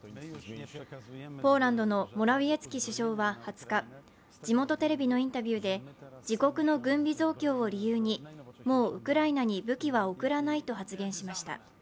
ポーランドのモラウィエツキ首相は２０日、地元テレビのインタビューで、自国の軍備増強を理由にもう、ウクライナに武器は送らないと発言しました。